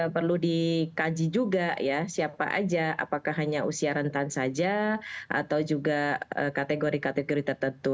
perlu dikaji juga ya siapa aja apakah hanya usia rentan saja atau juga kategori kategori tertentu